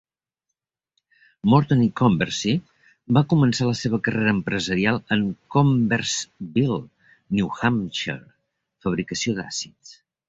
Morton E. Conversi va començar la seva carrera empresarial en Converseville, New Hampshire, fabricació d'àcids.